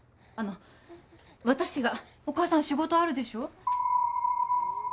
あの私がお母さん仕事あるでしょ？